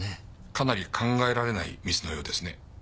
かなり考えられないミスのようですね。